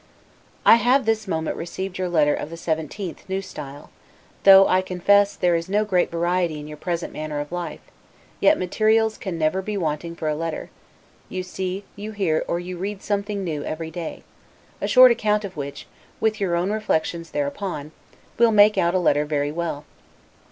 I have this moment received your letter of the 17th, N. S. Though, I confess, there is no great variety in your present manner of life, yet materials can never be wanting for a letter; you see, you hear, or you read something new every day; a short account of which, with your own reflections thereupon, will make out a letter very well.